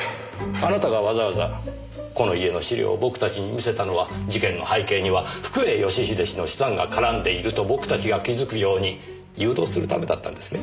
あなたがわざわざこの家の資料を僕たちに見せたのは事件の背景には福栄義英氏の資産が絡んでいると僕たちが気づくように誘導するためだったんですね？